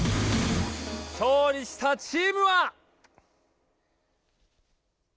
⁉勝利したチームは！